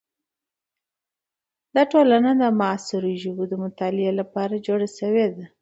دا ټولنه د معاصرو ژبو د مطالعې لپاره جوړه شوې ده.